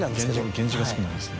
源氏が好きなんですね。